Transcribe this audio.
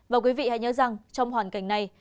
và quý vị hãy nhớ rằng trong hoàn cảnh này